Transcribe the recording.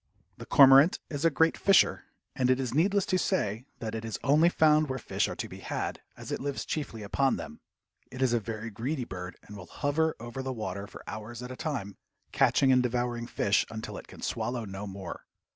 The cormorant is a great fisher, and it is needless to say that it is only found where fish are to be had, as it lives chiefly upon them. It is a very greedy bird, and will hover over the water for hours at a time, catching and devouring fish until it can swallow no more.